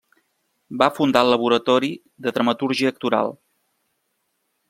Va fundar el Laboratori de Dramatúrgia Actoral.